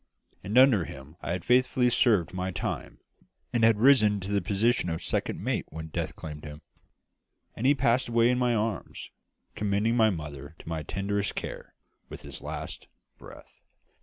And under him I had faithfully served my time, and had risen to the position of second mate when death claimed him, and he passed away in my arms, commending my mother to my tenderest care with his last breath.